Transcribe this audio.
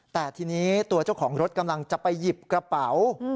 แต่ทีนี้ตัวเจ้าของรถกำลังจะไปหยิบกระเป๋า